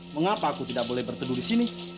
mengapa aku tidak boleh berteduh disini